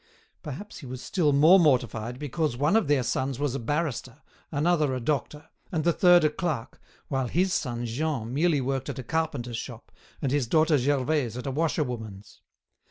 Perhaps he was still more mortified because one of their sons was a barrister, another a doctor, and the third a clerk, while his son Jean merely worked at a carpenter's shop, and his daughter Gervaise at a washerwoman's.